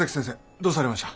どうされました？